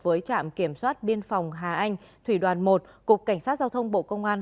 với trạm kiểm soát biên phòng hà anh thủy đoàn một cục cảnh sát giao thông bộ công an